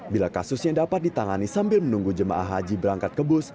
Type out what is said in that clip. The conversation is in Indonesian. bila kasusnya dapat ditangani sambil menunggu jemaah haji berangkat ke bus